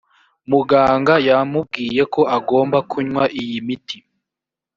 muganga yamubwiye ko agomba kunywa iyi imiti